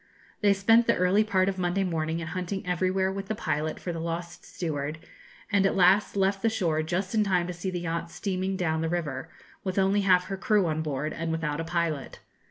They spent the early part of Monday morning in hunting everywhere with the pilot for the lost steward, and at last left the shore just in time to see the yacht steaming down the river, with only half her crew on board, and without a pilot.